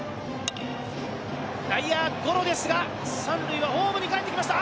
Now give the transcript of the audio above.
内野ゴロですが、三塁はホームに帰ってきました。